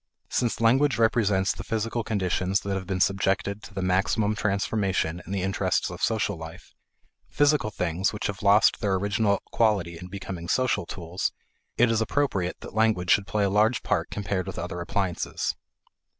Since language represents the physical conditions that have been subjected to the maximum transformation in the interests of social life physical things which have lost their original quality in becoming social tools it is appropriate that language should play a large part compared with other appliances.